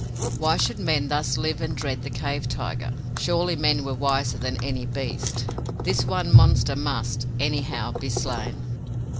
Why should men thus live and dread the cave tiger? Surely men were wiser than any beast! This one monster must, anyhow, be slain!